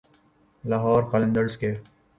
لاہور قلندرز کے